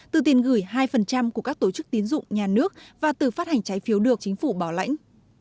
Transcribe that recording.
từ tiền gửi hai của các tổ chức tiến dụng nhà nước và từ phát hành trái phiếu được chính phủ bảo lãnh